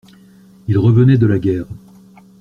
Il revenait de la guerre.